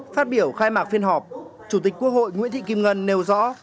phát biểu khai mạc phiên họp chủ tịch quốc hội nguyễn thị kim ngân nêu rõ